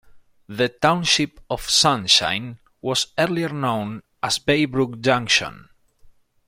The township of Sunshine was earlier known as "Braybrook Junction".